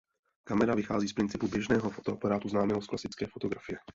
Kamera vychází z principu běžného fotoaparátu známému z klasické fotografie.